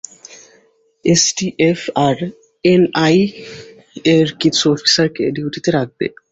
STF আর এনআইএ-র কিছু অফিসারকে ডিউটিতে রাখবে।